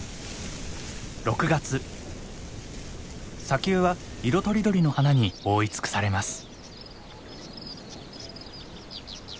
砂丘は色とりどりの花に覆い尽くされます。